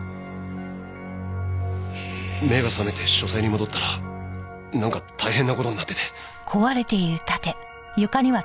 目が覚めて書斎に戻ったらなんか大変な事になってて。